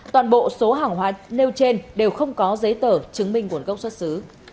toàn bộ số hàng hóa nêu trên đều không có giấy tờ chứng minh nguồn gốc xuất xứ